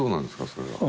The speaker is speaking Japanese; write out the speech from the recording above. それは。